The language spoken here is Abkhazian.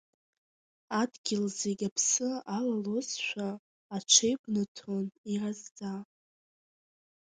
Адгьыл зегь аԥсы алалозшәа, аҽеибнаҭон иразӡа.